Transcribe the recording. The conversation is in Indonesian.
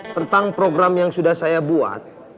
tentang program yang sudah saya buat